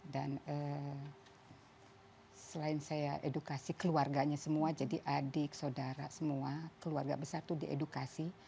dan selain saya edukasi keluarganya semua jadi adik saudara semua keluarga besar itu diedukasi